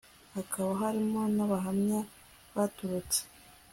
hakaba harimo n abahamya baturutse